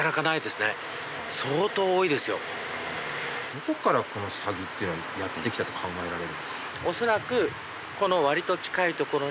どこからこのサギっていうのはやって来たと考えられるんですか？